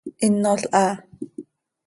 ¡Hinol haa!